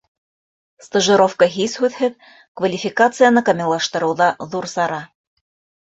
Стажировка, һис һүҙһеҙ, — квалификацияны камиллаштырыуҙа ҙур сара.